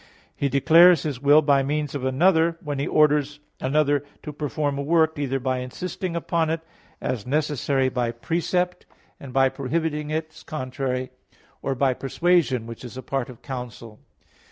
He declares his will by means of another when he orders another to perform a work, either by insisting upon it as necessary by precept, and by prohibiting its contrary; or by persuasion, which is a part of counsel.